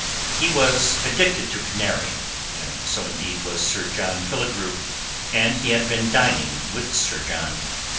He was addicted to Canary, and so indeed was Sir John Killigrew, and he had been dining with Sir John.